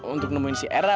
untuk nemuin si era